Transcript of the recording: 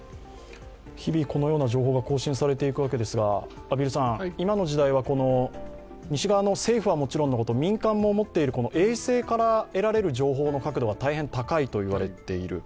日々このような情報が更新されていくわけですが今の時代は西側の政府はもちろんのこと、民間も持っている衛星から得られる情報の確度は大変高いと言われている。